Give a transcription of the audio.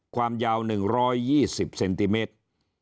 ความยาว๑๒๐เซนติเมตร